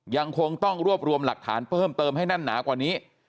ยังคงต้องรวบรวมหลักฐานเพิ่มเติมให้แน่นหนากว่านี้